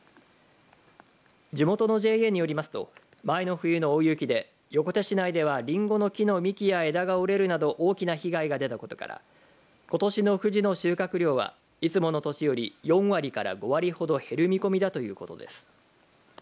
地元のＪＡによりますと前の冬の大雪で横田市内ではりんごの木の幹や枝が折れるなど大きな被害が出たことからことしのふじの収穫量はいつもの年より４割から５割ほど減る見込みだということです。